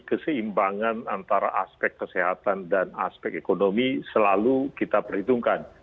keseimbangan antara aspek kesehatan dan aspek ekonomi selalu kita perhitungkan